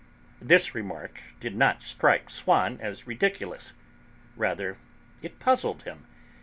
This remark did not strike Swann as ridiculous; rather, it puzzled him.